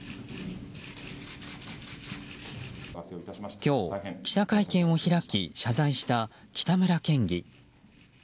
今日、記者会見を開き謝罪した北村県議。